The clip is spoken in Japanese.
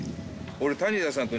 俺。